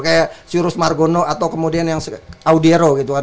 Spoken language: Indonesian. kayak sirus margono atau kemudian yang audiero gitu kan